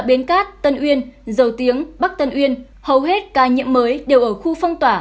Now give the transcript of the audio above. biến cát tân uyên dầu tiếng bắc tân uyên hầu hết ca nhiễm mới đều ở khu phong tỏa chín mươi ba tám